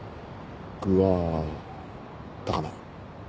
具は高菜。